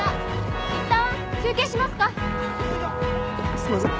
すいません。